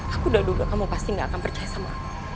aku udah duga kamu pasti gak akan percaya sama aku